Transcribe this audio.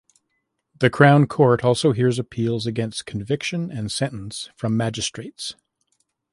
The Crown Court also hears appeals against conviction and sentence from magistrates.